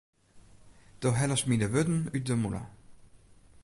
Do hellest my de wurden út de mûle.